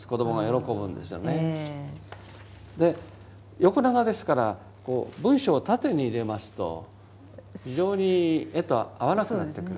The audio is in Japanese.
横長ですから文章を縦に入れますと非常に絵と合わなくなってくる。